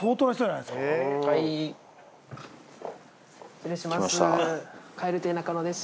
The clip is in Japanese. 失礼します。